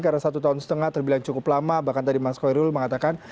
karena satu tahun setengah terbilang cukup lama bahkan tadi mas koirul mengatakan